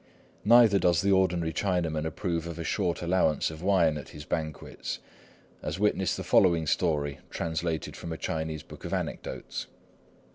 Neither does the ordinary Chinaman approve of a short allowance of wine at his banquets, as witness the following story, translated from a Chinese book of anecdotes.